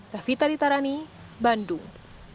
raffi taditarani bandung